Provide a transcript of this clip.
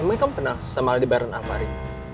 emang kamu kenal sama aldi baran alvari